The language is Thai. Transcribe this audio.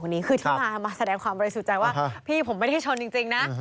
นี่คือที่มาแสดงความบริสุทธิ์ใจว่าพี่ผมไม่ได้ชนจริงนะ